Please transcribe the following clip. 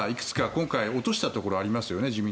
今回、自民党が落としたところがありますよね。